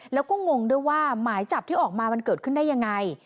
แล้วก็งงด้วยว่าหมายจับที่ออกมามันเกิดขึ้นได้ยังไง